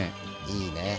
いいね